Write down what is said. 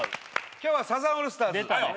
今日はサザンオールスターズ出たね